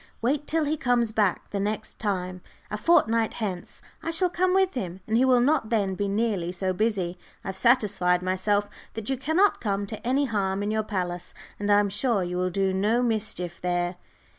Wait till he comes back the next time, a fortnight hence. I shall come with him, and he will not then be nearly so busy. I have satisfied myself that you cannot come to any harm in your palace, and I am sure you will do no mischief there."